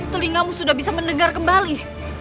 telingamu sudah bisa mendengar kembali